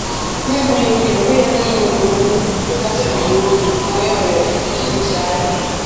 However, not all were sympathizers with the Revolution.